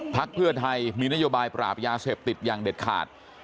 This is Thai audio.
พักเพื่อไทยมีนโยบายปราบยาเสพติดอย่างเด็ดขาด